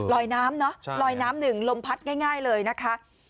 น้ำเนอะลอยน้ำหนึ่งลมพัดง่ายเลยนะคะ